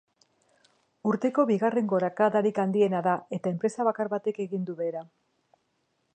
Urteko bigarren gorakadarik handiena da, eta enpresa bakar batek egin du behera.